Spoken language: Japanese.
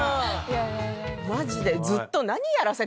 マジで。